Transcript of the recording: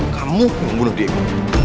kamu yang membunuh diego